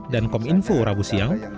dan kom info rabu siang